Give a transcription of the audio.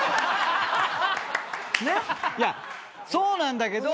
いやそうなんだけど。